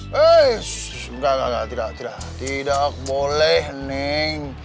heee enggak enggak enggak tidak boleh neng